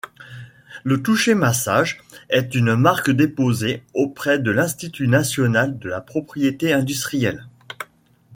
Le toucher-massage est une marque déposée auprès de l’institut national de la propriété industrielle.